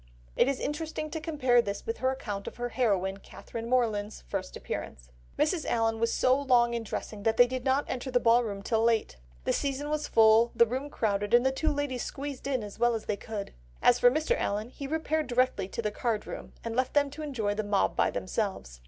It is interesting to compare this with her account of her heroine, Catherine Morland's first appearance: "Mrs. Allen was so long in dressing, that they did not enter the ball room till late. The season was full, the room crowded, and the two ladies squeezed in as well as they could. As for Mr. Allen he repaired directly to the card room and left them to enjoy a mob by themselves.